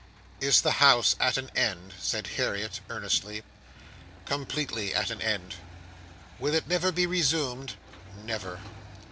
"Is the House at an end?" said Harriet, earnestly. "Completely at an end." "Will it never be resumed?" "Never."